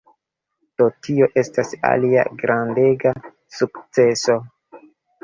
Do tio estas alia grandega sukceso.